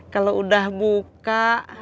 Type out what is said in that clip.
kalo udah buka